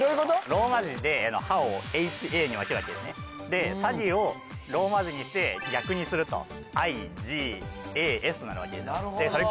ローマ字でハをＨＡに分けるわけですねでサギをローマ字にして逆にするとＩＧＡＳとなるわけですでそれ